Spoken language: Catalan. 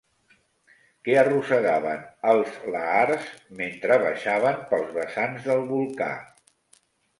Què arrossegaven els lahars mentre baixaven pels vessants del volcà?